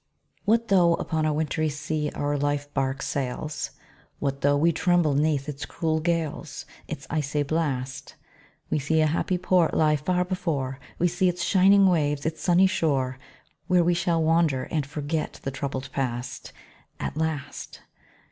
What though upon a wintry sea our life bark sails, What though we tremble 'neath its cruel gales, Its icy blast; We see a happy port lie far before, We see its shining waves, its sunny shore, Where we shall wander, and forget the troubled past, At last.